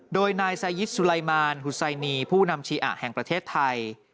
โดยนายไซยิสสุไลมารฮุไซนีผู้นำชีอะแห่งประเทศไทย